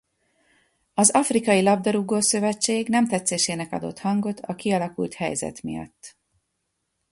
Az Afrikai Labdarúgó-szövetség nemtetszésének adott hangot a kialakult helyzet miatt.